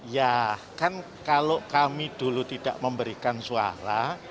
ya kan kalau kami dulu tidak memberikan suara